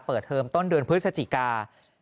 เทอมต้นเดือนพฤศจิกา